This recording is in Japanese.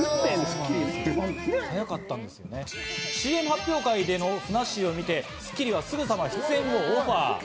ＣＭ発表会でのふなっしーを見て『スッキリ』はすぐさま出演をオファー。